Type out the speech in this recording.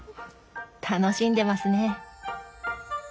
楽しんでますね。